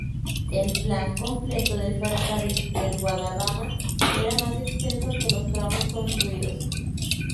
El plan completo del ferrocarril del Guadarrama era más extenso que los tramos construidos.